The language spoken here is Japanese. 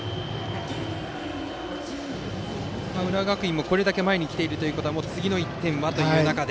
浦和学院もこれだけ前に来ているということは次の１点はという中で。